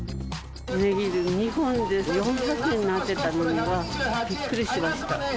ネギが２本で４００円になってたのは、びっくりしました。